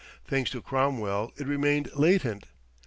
Thanks to Cromwell, it remained latent.